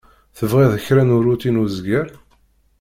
Tebɣiḍ kra n uṛuti n uzger?